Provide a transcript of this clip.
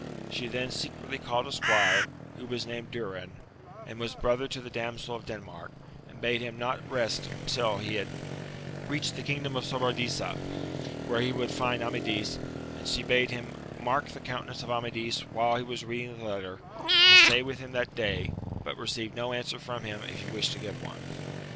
f^he then secretly called a squire, who was named Durin, and was brother to the Damsel of Denmark, and bade him not rest till he had reached the kingdom of Sobradisa, where he would find Amadis; and she bade him mark the countenance of Amadis while he was reading the letter, and stay with him that day, but receive no answer from him, if he wished to give one.